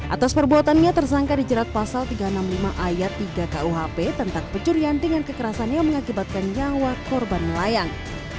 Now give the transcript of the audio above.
atas perbuatannya tersangka dijerat pasal tiga ratus enam puluh lima ayat tiga kuhp tentang pencurian dengan kekerasan yang mengakibatkan nyawa korban melayang